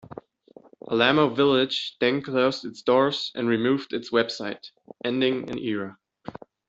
Alamo Village then closed its doors and removed its website, ending an era.